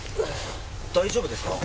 大丈夫ですか？